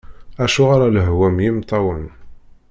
Acuɣer a lehwa mm yimeṭṭawen!